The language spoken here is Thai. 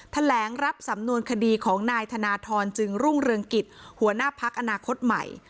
รับสำนวนคดีของนายธนทรจึงรุ่งเรืองกิจหัวหน้าพักอนาคตใหม่